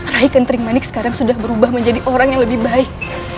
rai kentring manik sekarang sudah berubah menjadi orang yang lebih baik